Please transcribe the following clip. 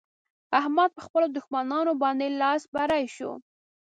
احمد په خپلو دښمانانو باندې لاس بری شو.